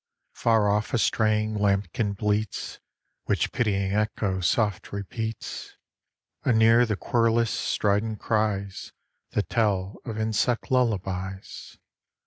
Far off a straying lambkin bleats, Which pitying Echo soft repeats; Anear the querulous, strident cries That tell of insect lullabies.